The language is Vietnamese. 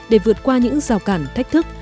để vượt qua những rào cản thách thức